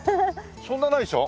そんなないでしょ？